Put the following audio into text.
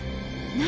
何？